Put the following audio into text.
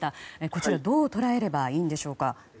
こちら、どう捉えればいいんでしょうか。